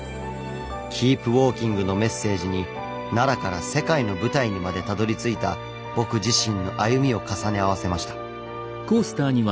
「キープウォーキング」のメッセージに奈良から世界の舞台にまでたどりついた僕自身の歩みを重ね合わせました。